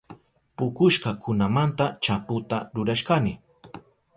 Pukushka kunamanta chaputa rurashkani.